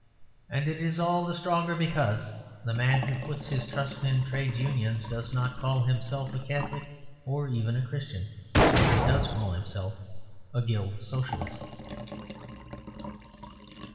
And it is all the stronger because the man who puts his trust in Trades Unions does not call himself a Catholic or even a Christian, if he does call himself a Guild Socialist.